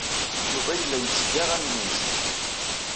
Yuba yella yetteg aɣan-nnes.